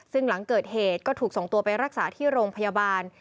ซึ่งหลังเกิดเหตุก็ถูกส่งตัวไปรักษาที่โรงพยาบาล